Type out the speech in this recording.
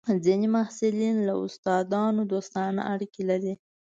ځینې محصلین له استادانو دوستانه اړیکې لري.